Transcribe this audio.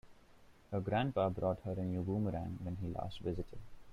Her grandpa bought her a new boomerang when he last visited.